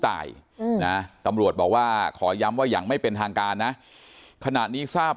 ตายนะตำรวจบอกว่าขอย้ำว่าอย่างไม่เป็นทางการนะขณะนี้ทราบ